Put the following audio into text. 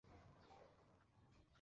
সে পুরোপুরি স্কাঙ্ক।